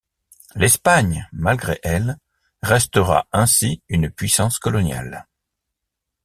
L'Espagne, malgré elle, restera ainsi une puissance coloniale.